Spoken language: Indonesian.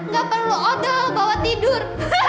gak perlu ada bawa tidur